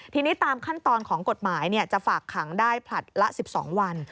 ทีนี้ตามขั้นตอนของกฎหมายจะฝากขังได้ผลัดละ๑๒วัน